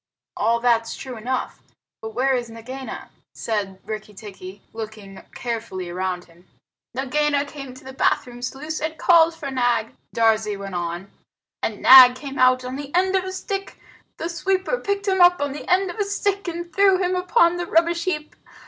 "All that's true enough. But where's Nagaina?" said Rikki tikki, looking carefully round him. "Nagaina came to the bathroom sluice and called for Nag," Darzee went on, "and Nag came out on the end of a stick the sweeper picked him up on the end of a stick and threw him upon the rubbish heap.